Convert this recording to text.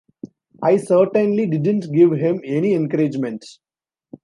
I certainly didn't give him any encouragement.